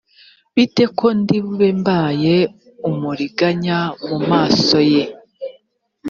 bite ko ndi bube mbaye umuriganya mu maso ye